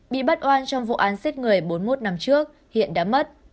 bị bắt oan trong vụ án giết người bốn mươi một năm trước hiện đã mất